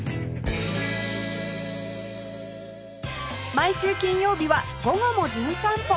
毎週金曜日は『午後もじゅん散歩』